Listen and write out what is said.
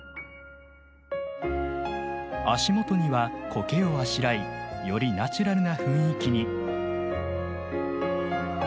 足元にはコケをあしらいよりナチュラルな雰囲気に。